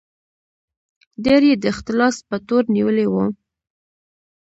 ډېر یې د اختلاس په تور نیولي وو.